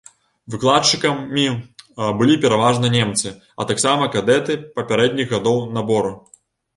Выкладчыкамі былі пераважна немцы, а таксама кадэты папярэдніх гадоў набору.